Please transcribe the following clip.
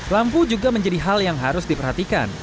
lampu juga menjadi hal yang harus diperhatikan